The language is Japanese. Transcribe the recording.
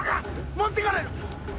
持っていかれる！